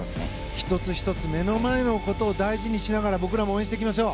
１つ１つ目の前のことを大事にしながら僕らも応援していきましょう。